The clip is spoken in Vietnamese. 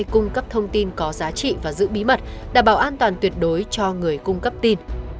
cung cấp thông tin có giá trị và giữ bí mật đảm bảo an toàn tuyệt đối cho người cung cấp tin